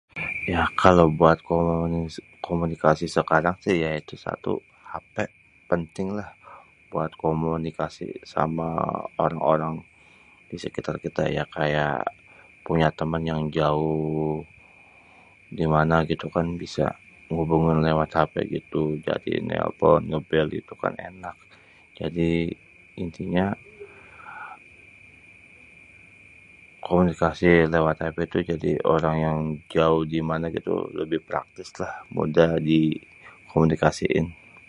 ya kalo buat komunikasi sekarang sih ya itu 1 hapé, penting lah buat komunikasi sama orang-orang disekitar kita yang kaya punya temen yang jauh dimana gitukan bisa ngubungin lewat hapé gitu, jadi nelpon ngébél itu kan enak, jadi intinya komunikasi lewat hapé tu jadi orang yang jauh dimana gitu lebih praktis lah mudah di komunikasiin.